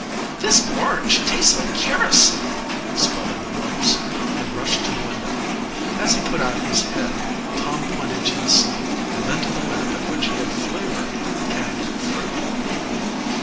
"This orange tastes like kerosene!" spluttered Mumps, and rushed to the window. As he put out his head, Tom pointed to the sneak and then to the lamp at which he had "flavored" the candied fruit.